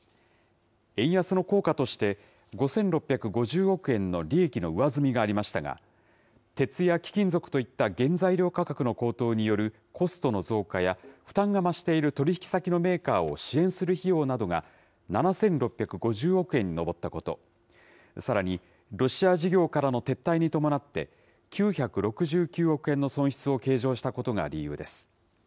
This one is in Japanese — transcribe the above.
円安の効果として５６５０億円の利益の上積みがありましたが、鉄や貴金属といった原材料価格の高騰によるコストの増加や、負担が増している取り引き先のメーカーを支援する費用などが７６５０億円に上ったこと、さらにロシア事業からの撤退に伴って、９６９億円の損失を計上したことが理由です。